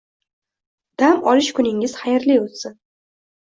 Dam olish kuningiz xayrli o'tsin.